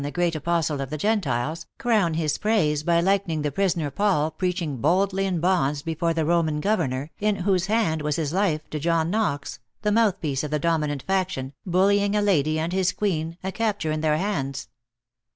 243 the great Apostle of the Gentiles, crown his praise by likening the prisoner Paul preaching boldly in bonds before the lioman governor, in whose hand was his life, to John Knox, the month piece of the dominant faction, bullying a lady and his queen, a capture in their hands.